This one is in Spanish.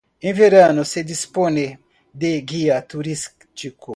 En verano se dispone de guía turístico.